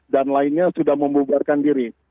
dan lainnya sudah membuarkan diri